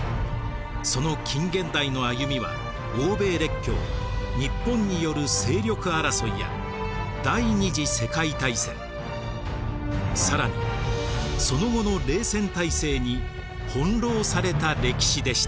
その近現代の歩みは欧米列強日本による勢力争いや第２次世界大戦更にその後の冷戦体制に翻弄された歴史でした。